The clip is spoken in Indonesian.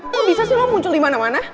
kok bisa sih lo muncul dimana mana